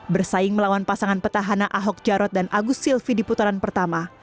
bersaing melawan pasangan petahana ahok jarot dan agus silvi di putaran pertama